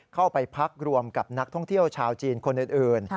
เข้าไปพักรวมกับนักท่องเที่ยวชาวจีนคนอื่น